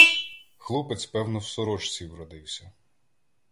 Хлопець, певно, в сорочці вродився.